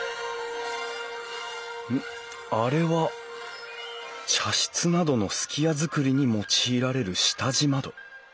あれは茶室などの数寄屋造りに用いられる下地窓。